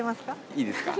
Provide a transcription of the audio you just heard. いいですか？